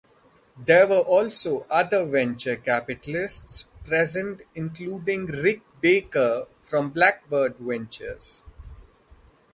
There were also other venture capitalists present including Rick Baker from Blackbird Ventures.